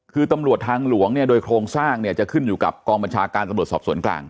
คือตำรวจทางหลวงเนี่ยโดยโครงสร้างเนี่ยจะขึ้นอยู่กับกองบัญชาการตำรวจสอบสวนกลาง